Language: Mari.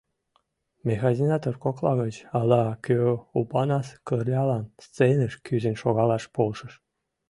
Механизатор кокла гыч ала-кӧ Опанас Кырлялан сценыш кӱзен шогалаш полшыш.